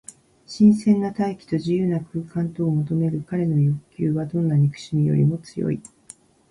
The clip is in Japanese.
新鮮な大気と自由な空間とを求めるかれの欲求は、どんな憎しみよりも強い。